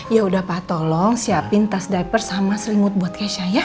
ya udah pak tolong siapin tas diaper sama selingut buat keisha ya